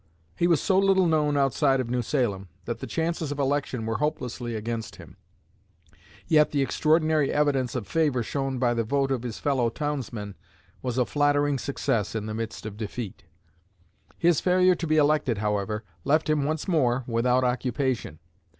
He was so little known outside of New Salem that the chances of election were hopelessly against him, yet the extraordinary evidence of favor shown by the vote of his fellow townsmen was a flattering success in the midst of defeat. His failure to be elected, however, left him once more without occupation.